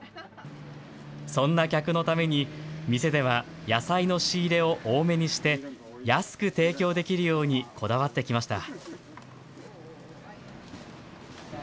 そんな客のために、店では野菜の仕入れを多めにして、安く提供できるようにこだわってきました。